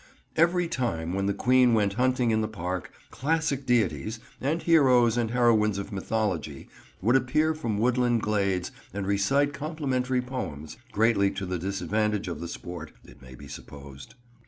Every time when the Queen went hunting in the park, classic deities, and heroes and heroines of mythology would appear from woodland glades and recite complimentary poems—greatly to the disadvantage of the sport, it may be supposed.